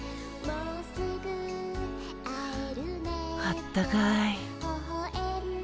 あったかい。